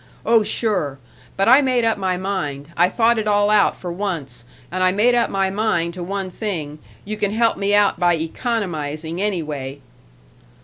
Oh, sure! But I made up my mind I thought it all out for once, and I made up my mind to one thing, you can help me out by economizing, anyway."